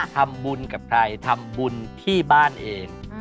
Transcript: ทำบุญกับใครทำบุญที่บ้านเอง